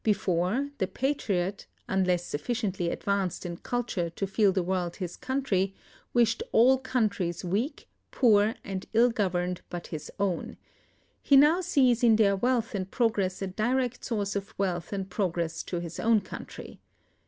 Before, the patriot, unless sufficiently advanced in culture to feel the world his country, wished all countries weak, poor, and ill governed but his own: he now sees in their wealth and progress a direct source of wealth and progress to his own country.